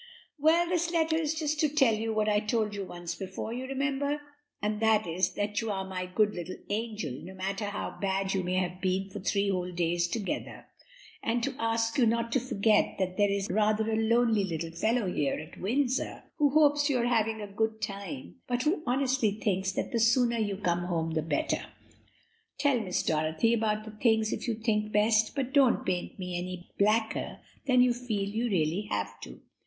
Well, this letter is just to tell you what I told you once before, you remember, and that is, that you are my good little angel, no matter how bad you may have been for three whole days together," and to ask you not to forget that there is rather a lonely fellow here at Windsor, who hopes you are having a good time, but who honestly thinks that the sooner you come home the better. Tell Miss Dorothy all about things if you think best, but don't paint me any blacker than you feel you really have to.